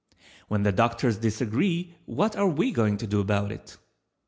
When the doctors disagree what are we going to do about it?